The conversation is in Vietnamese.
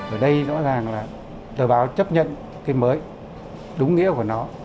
ở đây rõ ràng là tờ báo chấp nhận cái mới đúng nghĩa của nó